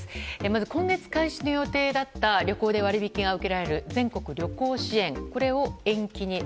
まず今月開始の予定だった旅行で割引が受けられる全国旅行支援を延期に。